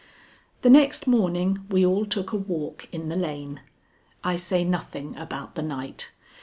The next morning we all took a walk in the lane. (I say nothing about the night.